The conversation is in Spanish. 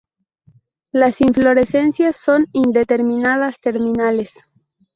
Las inflorescencias son indeterminadas, terminales.